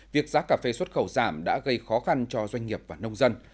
việc giá cà phê xuất khẩu giảm đã gây khó khăn cho doanh nghiệp và nông dân